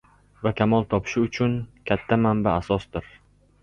va kamol topishi uchun katta manba-asosdir.